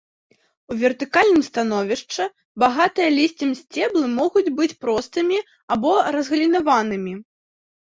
У вертыкальным становішчы, багатыя лісцем сцеблы могуць быць простымі або разгалінаванымі.